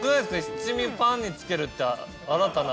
七味パンにつけるって新たな。